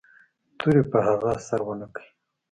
تورې په هغه اثر و نه کړ.